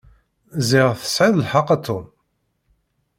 Ziɣ tesεiḍ lḥeqq a Tom.